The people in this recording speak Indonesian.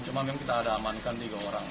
cuma memang kita ada amankan tiga orang